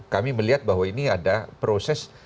kami melihat bahwa ini ada proses